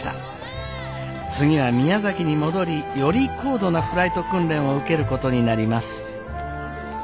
次は宮崎に戻りより高度なフライト訓練を受けることになります。